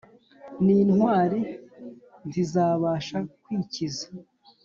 n’intwari ntizabasha kwikiza